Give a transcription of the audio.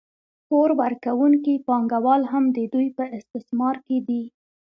پور ورکوونکي پانګوال هم د دوی په استثمار کې دي